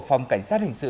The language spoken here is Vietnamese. phòng cảnh sát hình sự